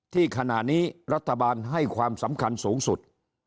ที่ขณะนี้รัฐบาลให้ความสำคัญสูงสุด